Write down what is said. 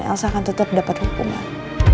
dan elsa akan tetap dapat hukuman